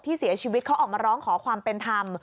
เสียชีวิตเขาออกมาร้องขอความเป็นธรรม